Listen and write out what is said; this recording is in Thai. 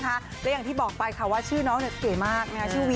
ดูเลยทีเดียวค่ะคลอดมาด้วยนะคุณ